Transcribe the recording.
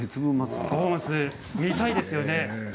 見たいですよね。